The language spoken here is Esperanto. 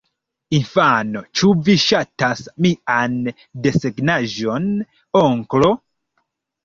Infano: "Ĉu vi ŝatas mian desegnaĵon, onklo?"